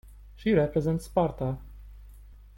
She represents Sparta.